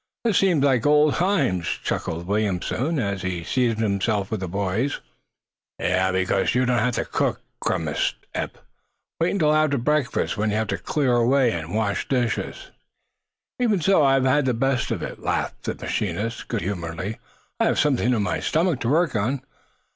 "This seems like old times," chuckled Williamson, as he seated himself with the boys. "Yes; because you don't have to cook," grimaced Eph. "Wait until after breakfast, when you have to clear away and wash dishes!" "Even so, I have the best of it," laughed the machinist, good humoredly. "I have something in my stomach to work on."